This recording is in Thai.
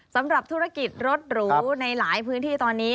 สำหรับธุรกิจรถหรูในหลายพื้นที่ตอนนี้